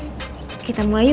my prince kita mulai yuk